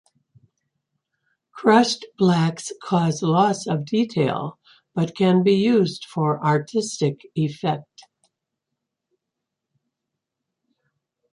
Crushed blacks cause loss of detail, but can be used for artistic effect.